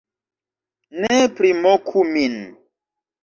Ne primoku min